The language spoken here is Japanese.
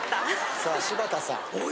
さあ柴田さん。